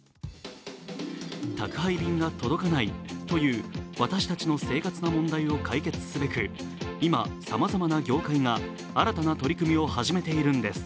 宅配便が届かないという私たちの生活の問題を解決すべく今、さまざまな業界が新たな取り組みを始めているんです